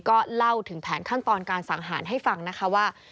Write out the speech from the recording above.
ก็เล่าถึงแผนขั้นตอนการสังหารให้ฟังนะคะว่า